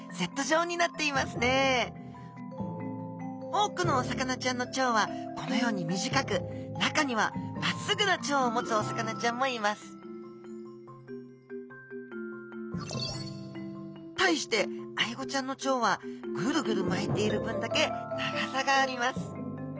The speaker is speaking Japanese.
多くのお魚ちゃんの腸はこのように短く中にはまっすぐな腸を持つお魚ちゃんもいます対してアイゴちゃんの腸はぐるぐる巻いている分だけ長さがあります